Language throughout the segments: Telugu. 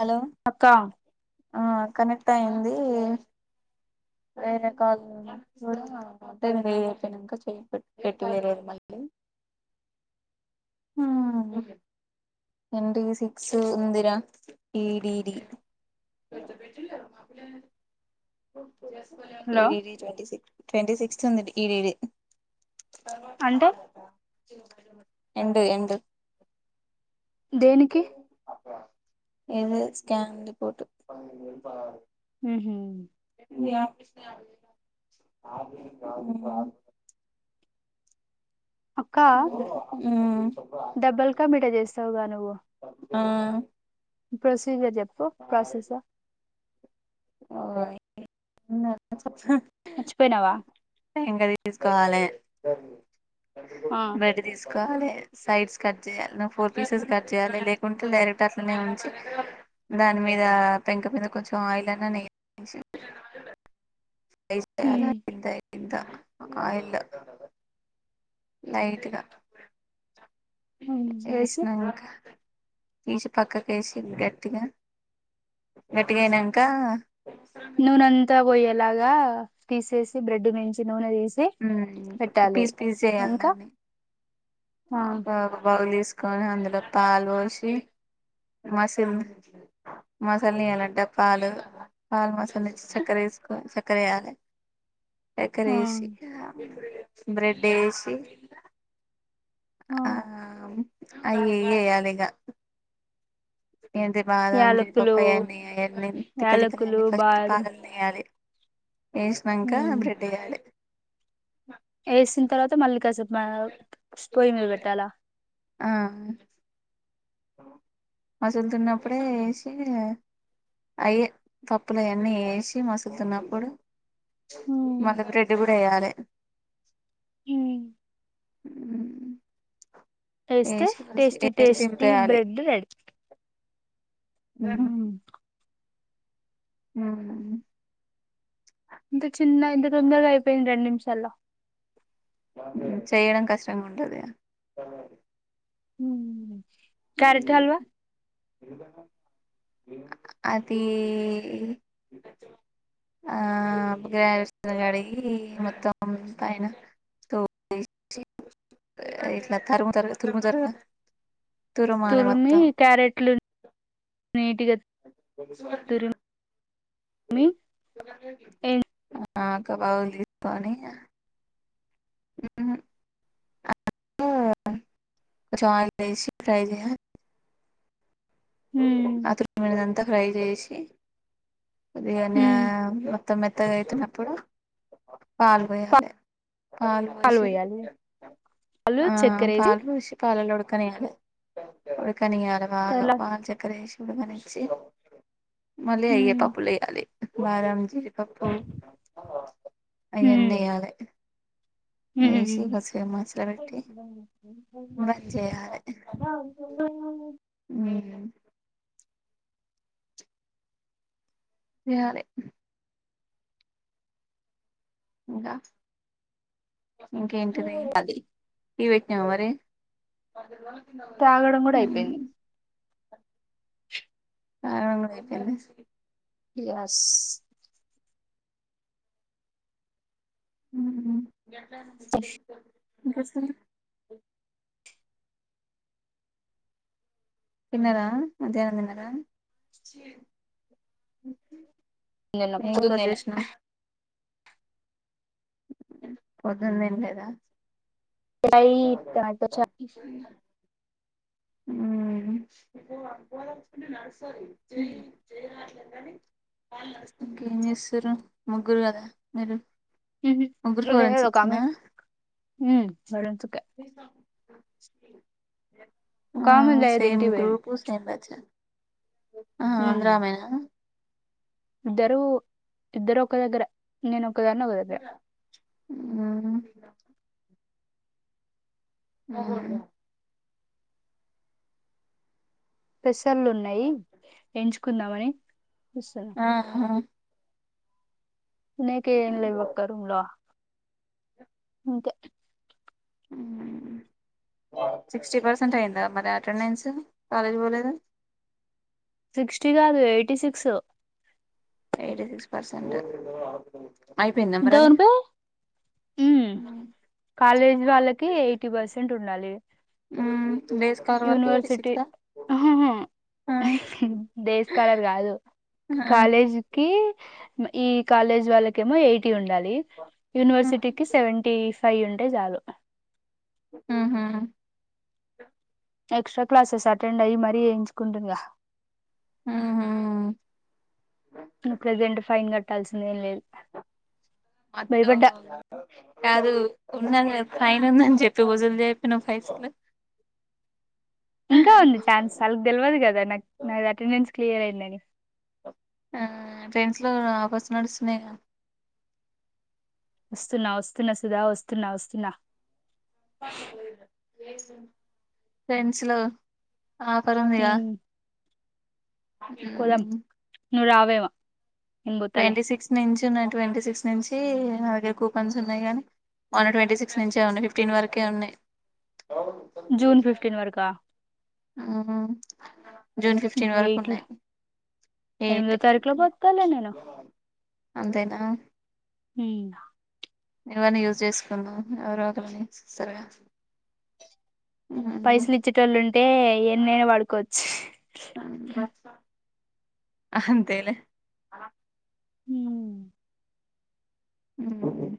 హలో అక్క ఆ కనెక్ట్ అయింది వేరే కాల్ [unintelligible] ఫ్రీ అయిపోయినాంక చెయ్ పెట్ పెట్టివేరేది మళ్ళీ ఎన్ టి సిక్స్ ఉందిర డి డి డి హలో ఏ DD twenty six twenty sixth ఉన్నిది ఇ డి డి అంటే ఎండ్ ఎండ్ దేనికి ఏం లేదు స్కాన్ రిపోర్టు మ్ హు [unintelligible] అక్కా డెబుల్కా మీఠా చేస్తావుగా నువ్వు ఆ ప్రొసీజర్ జెప్ [unintelligible] మర్చిపోయ్ నావా ఇంక తీసుకోవాలే ఆ బయట తీసుకో వాలి సైడ్స్ కట్ చేయాలి నువ్వు ఫోర్ పీసెస్ కట్ చేయాలి లేకుంటే డైరెక్ట్ అట్లనే ఉంచి దాని మీద పెంక మీద కొంచెం ఆయిల్ అన్న నెయ్యి అన్నా వేసి పైసలా ఉమ్. ఇంతే ఇంత ఆయిల్ లైట్ గా ఉమ్, వేసి ఏష్నా ఇంక తీసి పక్కకేసి గట్టిగా గట్టిగైనంకా నూనెంతా పొయ్యేలాగా తీసేసి బ్రెడ్ నుంచి నూనె తీసి హ్మ్ పెట్టాలి పీస్ పీస్ చేయ్యాలి ఇంకా దాన్ని ఆ బౌల్ బౌల్ తీస్ కొని అందులో పాలు పోసి మసి మసల నియ్యాలంటే పాలు పాలు మస్లనిచి చక్కెర వేసుకొ చక్కెర ఏయాలె. చక్కెర ఆ ఏసి బ్రెడ్ ఏసి ఆ ఆమ్ అయి ఇయి ఎయ్యాలిగ ఏంటి బాదం యాలకులు జీడిపప్పు అయన్నీ అయన్నీ తికల్ తిక్కలు యాలకులు అన్నీ ఫస్ట్ బాదం పగల్నీయాలి ఏసినంక బ్రెడ్ ఎయ్యాలె ఏసిన తర్వాత మల్లీ కాసేపు మ స్పోయి మీద పెట్టాల మసుల్ తున్నప్పుడే ఏసి అయే పప్పులు అయన్నీ ఏసి మసులు తున్నప్పుడు ఉమ్ మళ్ళ బ్రెడ్ కూడా ఏయాలె. హ్మ్ హ్మ్ ఏస్తే టేస్టీ టేస్టీ దింపేయాలి బ్రెడ్ రెడీ హ్మ్ హ్మ్ ఇంత చిన్నగ ఇంత తొందరగా అయిపేయింది రెండు నిమిషాల్ల హ్మ్ చేయడం కష్టంగా ఉంటది హ్మ్ హ్మ్ అదీ ఆ గ్యాస్ ని కడిగి మొత్తం పైన తోలు తీసి ఇట్ల తరుగుతరు తురుముతరు. తురిమి క్యారెట్లు నీట్ గా కొ అ అ ఒక బౌల్ తీస్కోని ఉ ఉమ్ కొంచం అయిల్ వేసి ఫ్రై చెయ్యాలి అ తర్వాత మ అం ంత ఫ్రై చేసీ అది అన్ని మొత్తం మెత్తగా ఐతున్న ఇప్పుడు పాలు పోయాలి పాలు పోశి పాలు ఆ చక్కెర వేసి పాలు పోశి పాలల్లో ఉడకనియ్యాలి కనియాల బాగా తర్లా బా బేషనుగొనిచ్చి మళ్లీ అయ్యేటప్పు లేగాలి వారంజి పప్పు అయన్నిగాలే బంద్ చేయాలె హ్మ్ హ యాలే ఇంగా ఇంకేంటిది అది టీ వట్న మరి తాగడం గుడ అయిపోయింది కారం అయిపోయింది ఎస్ ఉఉ గట్లనిపిస్తే ఇంకస్త తిన్నరా మధ్యాహ్నం తిన్నర నిన్న పూదిన వడ్నా పొద్దున వండ్లేదా చయ్ టాట చాయ్ అ స జయ్ చారు జయలా ఇంకేం చేస్తురు ముగ్గురు కదా మీరు ఉహూ ముగ్గురు ఇడ ఫోరెన్సిక్స్ ఏనా ఒకమే ఉమ్ చలెంచుక ఒక ఆ ఆమె లేదు సేమ్ ఇంటికి పోయింది. గ్రూపు సేమ్ బ్యాచ్చా ఆ ఆంధ్రామేనా ఇద్దరూ ఇద్దరు ఒక దగ్గర, నేను ఒకదాన్ని ఒక దగ్గర ఊ ఊ పెస్ ఉన్నాయి ఎంచు కుందామని ఆహా తినేకి ఏం లేవక్క రూమ్లో అంతే సిక్స్టీ పర్సెంట్ అయందా మరి అటెండెన్స్ కాలేజ్ పోలేద సిక్స్టీ కాదు eighty six eighty six percent [unintelligible] అయిపోయిందా మరి అది పే ఉమ్ కాలేజీ వాళ్ళకే ఎయిటీ పర్సెంట్ ఉండాలి మ్మ్ డేస్ కాల్ వరకు ఎయిటీ యూనివర్సిటీ సిక్సా ఆ దేస్కాలర్ కాదు ఆ కాలేజీకిి ఈ కాలేజ్ వాళ్ళకి ఏమో ఎయిట్ టి ఉండాలి యనివర్సిటీకి సెవెంటీ ఫైవ్ ఉంటే చాలు ఉహు ఎక్స్ట్రా క్లాసెస్ అటెండ్ అయ్యి మరీ ఏయించుకుంటుగా ఊహూ ప్రెజెంట్ ఫైన్ క ట్టాల్సిందేం లేదు మొత్తం భయపడ్డా కాదు ఉన్నాను ఫైన్ ఉందని చెప్పి వజులు చెప్పినావ్ పైసలు ఇంకా ఉంది ఛాన్స్ వాళ్ళకు తెల్వదు కదా నాకు నాకు అటెండెన్స్ క్లియర్ అయిందని ట్రైన్స్లో ఆఫర్స్ నడుస్తున్నాయిగా వస్తునా వస్తున్నా సుధా వస్తున్నా వస్తున్నా ట్రెండ్స్లో ఆఫర్ ఉందిగా ఉమ్, ఉ ను రావేమో నేను పోతాలే ట్వంటీ సిక్స్ నుంచి ట్వంటీ సిక్స్ నుంచి నా దగ్గర కూపన్స్ ఉన్నాయి కానీ వన్ ట్వంటీ సిక్స్ నుంచే ఉన్నాయి ఫిఫ్టీన్ వరకే ఉన్నాయి జూన్ ఫిఫ్టీన్ వరకా ఉ జూన్ ఫిఫ్టీన్ వరకు ఎయిట్ ఉన్నాయ్ ఎయిట్ ఎనిమిదో తారీఖులో పోతాలే నేను అంతేనా మ్మ్ హ ఇవన్నీ యూజ్ చేసుకున్నా ఎవర్నోకలని సర పైసలు ఇచ్చేట వాళ్ళు ఉంటే ఎన్నైనా వాడుకోవచ్చ్ అంతేలే మ్మ్ మ్మ్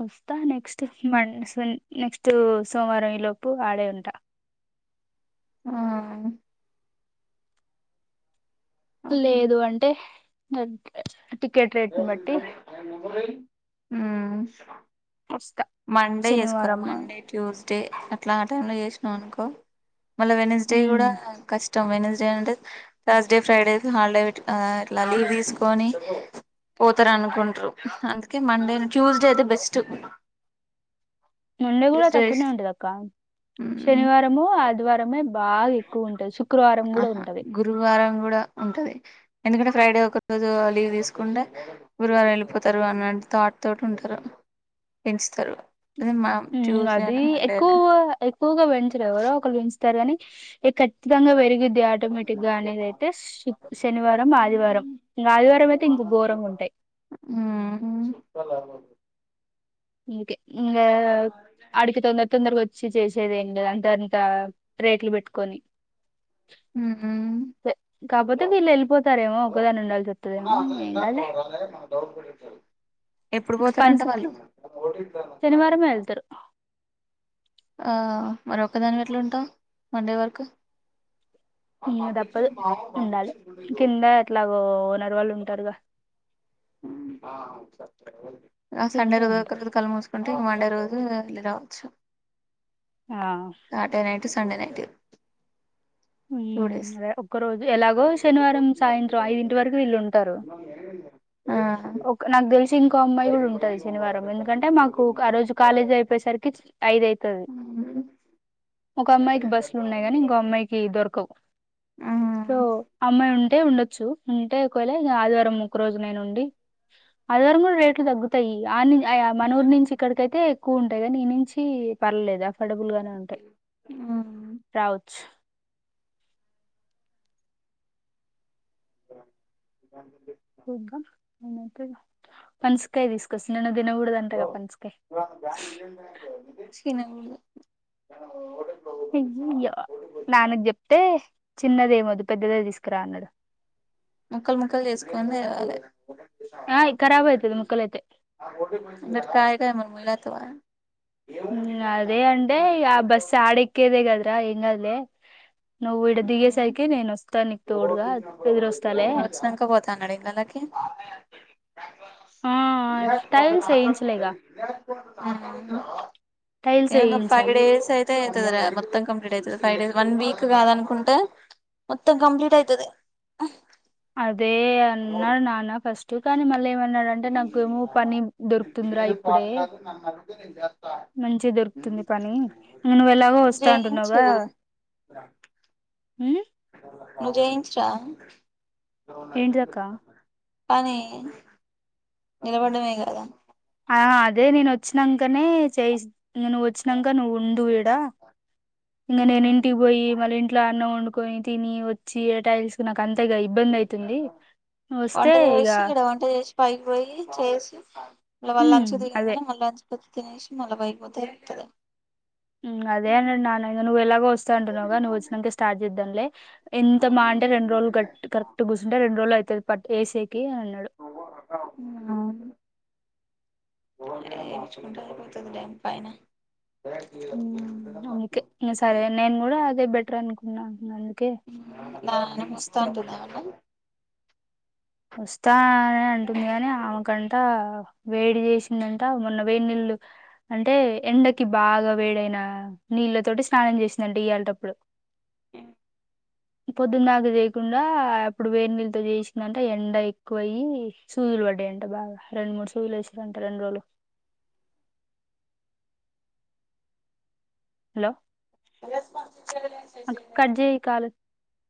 వస్తా నెక్స్ట్ మ స నెక్స్ట్ సోమవారం ఈ లోపు ఆడే ఉంటా ఆ లేదు అంటే ఎ డ్ల చేయ్ టికెట్ రేట్ని బట్టి చెమా వస్తా మండే చేసుకోవాలా శనివారం మండే ట్యూస్డే అట్లా ఆ టైంలో చేసినావు అనుకో మళ్ళ వెన్సడే ఉమ్. కూడా కష్ ఇష్టం వెన్సడే అంటే ధర్స్ డే ఫ్రైడే హాలిడేట్లా ఇట్లా లీవ్ తీసుకొని పోతార అనుకుంట్రు అందుకే మండే ట్యూస్డే అయితే బెస్ట్ మండే కూడా ట్యూస్డే తక్కువనే ఉంటది అక్క శనివారము ఆదివారమే బాగా ఎక్కువ ఉంటది శుక్రవారం కూడా ఆహా ఉంటది గురువారం కూడా ఉంటది ఎందుకంటే ఫ్రైడే ఒకరోజు లీవ్ తీసుకుంటే గురువారం వెళ్ళిపోతారు. అన్న థాట్ తోటి ఉంటారు పెంచుతారు. అదే మా మ్మ్ అది ట్యూస్డేనా మండేనా ఎక్కువ ఎక్కువగా వెం ఎవరో ఒక ళు వెంచుతారు కాని ఇ ఖచ్చితంగా పెరిగిద్ ఆటోమేటిక్ గా అనేది అయితే శనివారం ఆదివారం ఇంకా ఆదివారం అయితే ఇంకా ఘోరంగుంటాయియ్. మ్మ్ ఒకే ఇంగ ఆడికి తొందర తొందరగా షి చేసేద ఏం లేదు అంత అంతా రేట్లు పెట్టుకొని మ్మ్ హూ సే- కాకపోతే వీళ్ళు వెళ్ళితారేమో ఒకదాన్ని ఉండాల్సి వస్తున్ ఎప్పుడు ఇంక పని పోతారంట సు- వాళ్ళు శనివారమే వెళ్తరు ఆ మరొక్క దానివే ఎట్లుంటావ్ మండే వరకు ఇంగతప్పదు ఉండాలి కింద ఎట్లాగో ఓనర్ వాళ్ళు ఉంటారుగా మ్మ్ వావ్ సర్ప్రైజ్ వోలె ఆ సండే కిందే రోజు ఒక ఉంటారు రోజు కళ్ళు మూసుకుంటే మండే అ లే రావచ్చ ఆ శాటర్డే నైట్ సండే నైటు హమ్ అదే ఒక్క రోజు ఎలాగో శనివారం సాయంత్రం ఐదింటి వరకు వీళ్ళు ఉంటారు ఆ ఒక నాకు తెలి ఇంకో అమ్మాయి కూడా ఉంటంది శనివారం ఎందుకంటే మాకు ఆహ్ రోజు కాలేజీ అయిపోసరికి అయిదైతది ఒక అమ్మాయికి బస్సులు ఉన్నాయి గానీ ఇంకో అమ్మాయి దొరకవు ఆ సో ఆ అమ్మాయి అంటే ఉండొచ్చు ఉంటే ఒకవల ఆదివారం ఒక్క రోజునేను ఉండి ఆదివారం కూడా రేట్లు తగ్గుతాయి ఆహ్ మనూరు నుంచి ఇక్కడికైతే ఎక్కువ ఉంటాయి గానీ నీనుంచి పర్లేదా పడబులుగానే ఉంటాయి రావచ్చు [unintelligible] పనసకాయి తీసుకొస్తా నిన్న తినకూడదు అంటగా పనసకాయి తినకూడదు హైయా నాన్నకి చెప్తే చిన్న దేమి పెద్దదే తీసుకురాన్నాడు ముక్కలు ముక్కలు చేసుకొని తేవాలే ఆ ఖరాబ్ అయితది ముక్కలైతే అది కాయి కాయ్ మేము [unintelligible] హమ్ అదే అండే ఆహ్ బస్ ఆడకదేగద్ర ఇంకాద్ లే నువ్వు ఇడ దిగే సైరికి నేను వస్త వచ్చినంక పోతాన్నాడు ఇనలకి ఆ టైల్స్ వేయించలేగా టైల్స్ ఏందో ఫైవ్ వేయించాలి డేస్ అయితే అయితదీర మత్తం కంప్లీట్ అయిత ఫైవ్ డే వన్ వీక్ కాద్ అనుకుంట తం కంప్లీట్ అయితది అదే అన్నా నాన్న ఫస్ట్ కానీ మళ్ళీ ఏమ న్నాడంట నాకేమో పని దొరుకుతుందిరా ఇప్పుడే మంచి దొరుకుతుంది పని ఇగా నువ్వు ఎలాగో వస్తా అంటున్నావుగా హమ్ నువు చేయించుర్రా ఏంటిదక్క [unintelligible] కానీ నిలబడమే కాదా ఆహ్ అదే నెన్ వచ్చినంగ్ ఇంకనే చే ఇంగా నువ్వు వచ్చినాక నువ్వు ఉండుఈడ ఇంక నేను ఇంటికి పోయి మళ్ళీ ఇంట్లో అన్నండు కొ తిని వచ్చి ఎ టా ఇసుకున్నా వస్తే వంటది ఇగ చేసి ఇక్కడ వంట చేసి పైకి పోయి చేసి ళ్ ఉమ్ వాళ్ళ ంచ్ అదే దిగానీ మళ్ళ ంచ్ ప్ర తనిసి మ బయిక్ బద్ద ఇతుంది అదే అండ్రడి న నువవు ఎలాగ వస్తాండ్రువగవ వచ్చిననంక స్టార్ట్ చేద్దాం లే [inaudible] ఎంత బ అంట రెండు రోజులు కరక్ట్ కూర్చంటే రెం రోజులు అయితే పట్ ఎసే [unintelligible] ఆ ఆపించుకుంటే అయిపోతుంది లే పైన ఉమ్, అందుకే ఇంగ సరే నేను కూడా అదే బెటర్ అనుకున్నా అందుకే వస్తాం [unintelligible] వస్తా అంటుంది కాని ఆమెకంట వేడి చేసిందంట మొన్న వేడి నీళ్ళు అంటే ఎండకి బాగా వేడైన నీళ్ళ తోటి స్నానం చేసిందంటే ఇయ్యాలటప్పుడు అ పొద్దున్నక చేయకుండా అప్పుడు వేడి నీళ్ళతో చేసిందట ఎండ ఎక్కువ అయి సూదులు పడ్డాయంట బాగా రెండు మూడు సూదులు వేసేరంట రెండు రోజులు హలో కట్ చేయి కాల్ [inaudible]